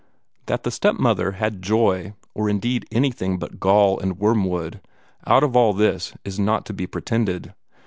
That the step mother had joy, or indeed anything but gall and wormwood, out of all this is not to be pretended.